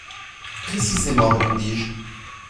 —Précisément, répondis-je.